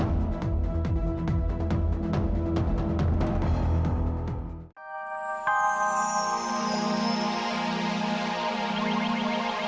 saya mengundurkan diri